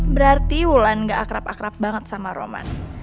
berarti wulan gak akrab akrab banget sama roman